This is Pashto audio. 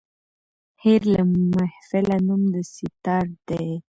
هېر له محفله نوم د سیتار دی